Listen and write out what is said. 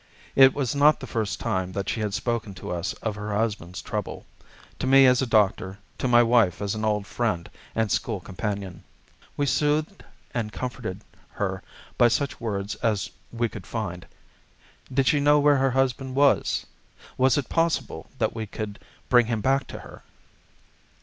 It was not the first time that she had spoken to us of her husband's trouble, to me as a doctor, to my wife as an old friend and school companion. We soothed and comforted her by such words as we could find. Did she know where her husband was? Was it possible that we could bring him back to her?